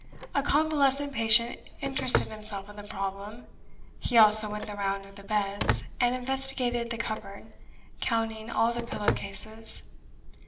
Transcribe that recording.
A convalescent patient interested himself in the problem: he also went the round of the beds, and investigated the cupboard, counting all the pillow cases.